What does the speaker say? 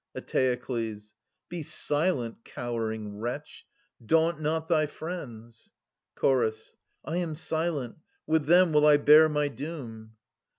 Eteokles. Be silent, cowering wretch ; daunt not thy friends ! Chorus. I am silent : with them will 1 bear my doom.